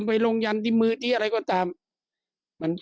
ก็เป็นเรื่องของความศรัทธาเป็นการสร้างขวัญและกำลังใจ